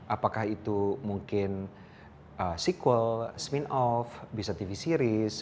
apakah itu mungkin sequel spin off bisa tv series bisa tv series